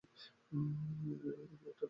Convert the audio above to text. এটা ঠিকমতো মোবাইলের ভিতরে ঢুকাও।